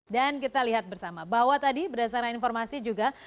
dan kita lihat bersama bahwa tadi berdasarkan informasi juga